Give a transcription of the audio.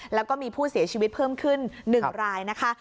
แล้วก็มีผู้เสียชีวิตเพิ่มขึ้น๑รายนะคะ